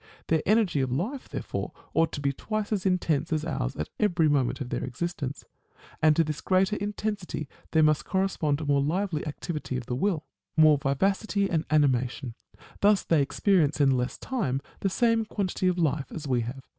Their energy of life therefore ought to be twice as intense as ours at every moment of their exis tence. And to this greater intensity there must corre spond a more lively activity of the will, more vivacity 62 DIALOGUE BETWEEN A NATURAL PHILOSOPHER and animation. Thus they experience in less time the same quantity of life as we have.